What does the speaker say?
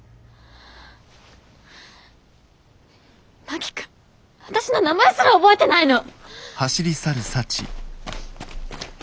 真木君私の名前すら覚えてないの！？